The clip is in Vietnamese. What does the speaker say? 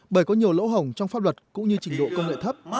bởi có nhiều lỗ hổng trong pháp luật cũng như trình độ công nghệ thấp